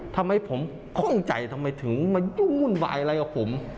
ทำไมผมคล่องใจทำไมถึงมายุ่งวุ่นวายอะไรกับผม